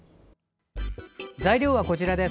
材料はこちらです。